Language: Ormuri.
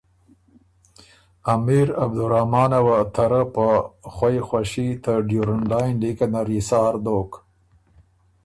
امیر عبدالرحمان وه ته رۀ په خوئ خوشي ته ډیورنډ لائن لیکه نر حصار دوک۔